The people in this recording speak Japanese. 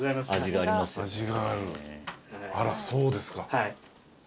あらそうですか。